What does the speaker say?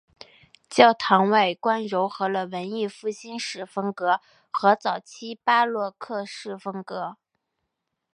教堂外观揉合了文艺复兴式风格和早期巴洛克式风格。